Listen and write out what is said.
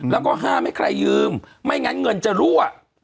แล้วก็ห้ามให้ใครยืมไม่งั้นเงินจะรั่ว